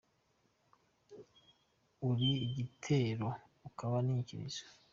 Uri igitero ukaba ni inyikirizo